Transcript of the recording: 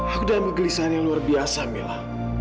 aku dalam kegelisahan yang luar biasa mila